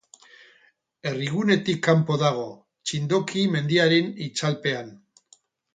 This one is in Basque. Herrigunetik kanpo dago, Txindoki mendiaren itzalpean.